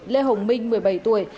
lê hồng minh một mươi bảy tuổi